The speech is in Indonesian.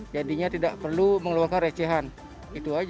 jadinya tidak perlu mengeluarkan recehan itu aja